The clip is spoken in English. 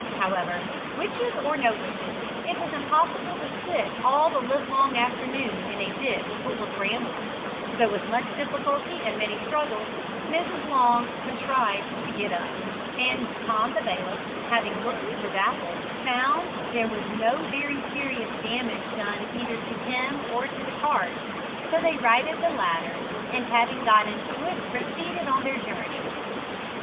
However, witches or no witches, it was impossible to sit all the livelong afternoon in a ditch full of brambles, so with much difficulty and many struggles, Mrs. Long contrived to get up, and Tom the Bailiff having looked to Dapple, found there was no very serious damage done either to him or to the cart. So they righted the latter, and having got into it, proceeded on their journey.